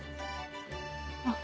あっ。